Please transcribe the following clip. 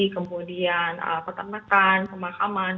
kemudian peternakan pemakaman